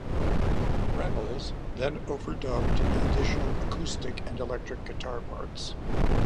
Reynolds then overdubbed additional acoustic and electric guitar parts.